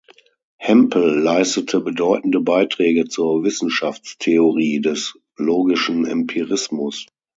Hempel leistete bedeutende Beiträge zur Wissenschaftstheorie des logischen Empirismus.